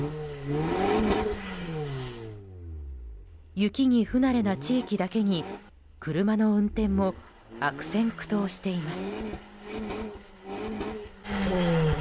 雪に不慣れな地域だけに車の運転も悪戦苦闘しています。